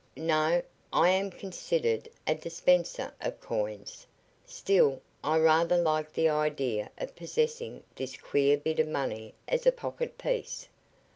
"No. I am considered a dispenser of coins. Still, I rather like the idea of possessing this queer bit of money as a pocket piece.